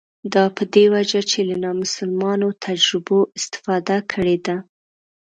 دا په دې وجه چې له نامسلمانو تجربو استفاده کړې ده.